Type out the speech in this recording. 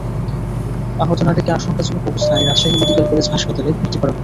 আহত নারীকে আশঙ্কাজনক অবস্থায় রাজশাহী মেডিকেল কলেজ হাসপাতালে ভর্তি করা হয়েছে।